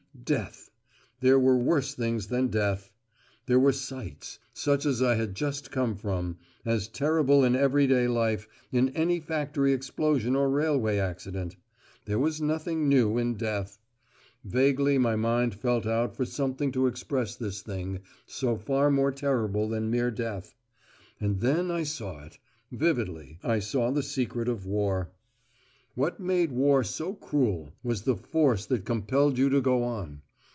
Death. There were worse things than death. There were sights, such as I had just come from, as terrible in everyday life, in any factory explosion or railway accident. There was nothing new in death. Vaguely my mind felt out for something to express this thing so far more terrible than mere death. And then I saw it. Vividly I saw the secret of war. What made war so cruel, was the force that compelled you to go on.